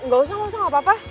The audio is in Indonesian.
gak usah gak usah gak apa apa